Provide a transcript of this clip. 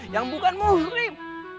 yang bukan murim